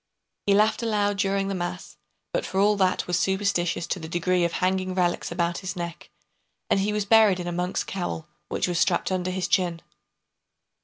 He laughed aloud during the Mass, but for all that was superstitious to the degree of hanging relics about his neck; and he was buried in a monk's cowl, which was strapped under his chin.